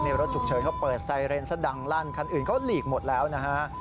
รถฉุกเฉินเขาเปิดไซเรนซะดังลั่นคันอื่นเขาหลีกหมดแล้วนะฮะ